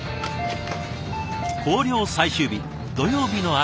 校了最終日土曜日の朝。